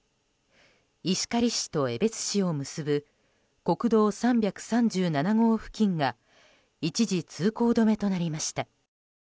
石狩市と江別市を結ぶ国道３３７号付近が一時通行止めとなりました。